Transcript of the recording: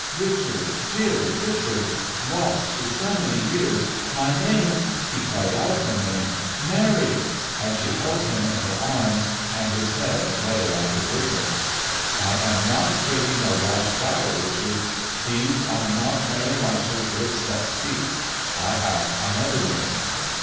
' Richard, dear Richard, lost through so many years, my name ' He cried out her name, ' Mary,' and she held him in her arms, and his head lay on her bosom. ' I am not breaking a rash vow, Richard. These are not Mary Marshall's lips that speak. I have another name.'